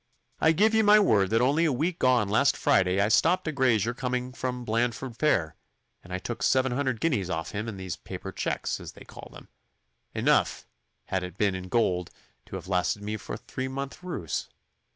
I give ye my word that only a week gone last Friday I stopped a grazier coming from Blandford fair, and I took seven hundred guineas off him in these paper cheques, as they call them enough, had it been in gold, to have lasted me for a three month rouse.